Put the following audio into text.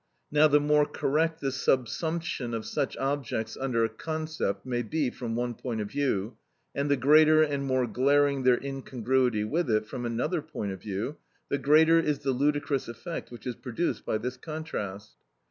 Now the more correct the subsumption of such objects under a concept may be from one point of view, and the greater and more glaring their incongruity with it, from another point of view, the greater is the ludicrous effect which is produced by this contrast.